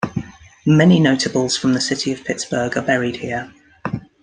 Many notables from the city of Pittsburgh are buried here.